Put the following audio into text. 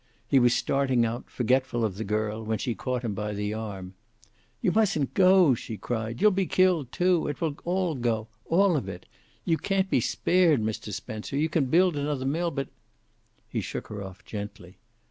He was starting out, forgetful of the girl, when she caught him by the arm. "You mustn't go!" she cried. "You'll be killed, too. It will all go, all of it. You can't be spared, Mr. Spencer. You can build another mill, but " He shook her off, gently.